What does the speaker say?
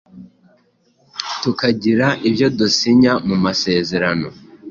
tukagira ibyo dusinya mumasezerano